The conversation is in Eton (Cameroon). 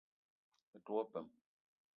Me te wo peum.